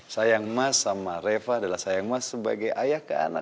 sayang mas sama reva adalah sayang mas sebagai ayah ke anak